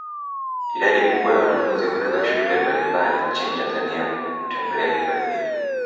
Idadi kubwa ya wanafunzi kutoka shule mbalimbali nchini Tanzania hutembelea hifadhi hii